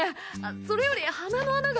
それより鼻の穴が。